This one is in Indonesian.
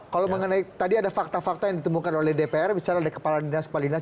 kalau mengenai tadi ada fakta fakta yang ditemukan oleh dpr misalnya ada kepala dinas kepala dinas